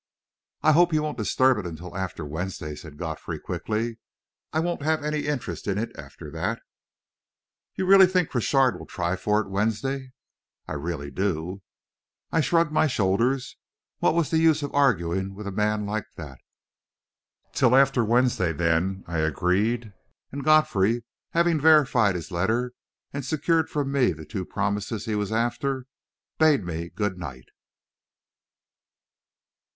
"I hope you won't disturb it until after Wednesday," said Godfrey, quickly. "I won't have any interest in it after that." "You really think Crochard will try for it Wednesday?" "I really do." I shrugged my shoulders. What was the use of arguing with a man like that? "Till after Wednesday, then," I agreed; and Godfrey, having verified his letter and secured from me the two promises he was after, bade me good night.